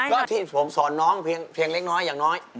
ก็ที่ผมสอนน้องเพียงเล็กน้อยอย่างน้อย